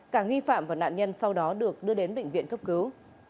cả nghi phạm và nạn nhân sau đó được đưa đến bệnh viện cấp cứu